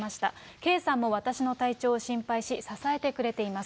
圭さんも私の体調を心配し、支えてくれています。